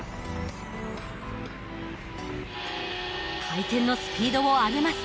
回転のスピードを上げます。